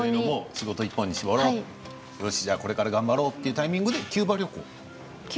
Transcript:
仕事一本に絞ろうこれから頑張ろうというタイミングでキューバ旅行。